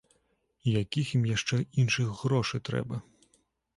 Якіх ім яшчэ іншых грошы трэба.